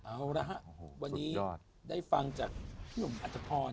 เอาละฮะวันนี้ได้ฟังจากพี่หนุ่มอัตภพร